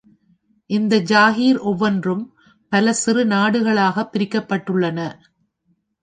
இந்த ஜாகீர் ஒவ்வொன்றும் பல சிறு நாடுகளாகப் பிரிக்கப்பட்டுள்ளன.